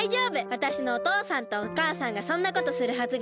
わたしのおとうさんとおかあさんがそんなことするはずがない。